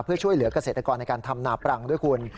เพื่อช่วยเหลือกเกษตรกรในการทำนาปรังด้วยคุณ